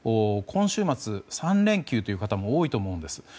今週末、３連休という方も多いと思うんです。